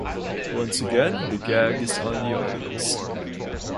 Once again, the gag is on the audience.